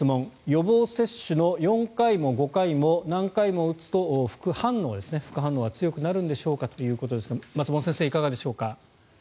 予防接種の４回も５回も何回も打つと副反応は強くなるんでしょうか？ということですが松本先生、いかがでしょうか。